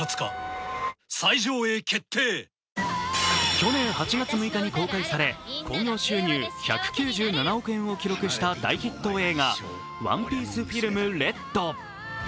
去年８月６日に公開され、興行収入１９７億円を記録した大ヒット映画「ＯＮＥＰＩＥＣＥＦＩＬＭＲＥＤ」。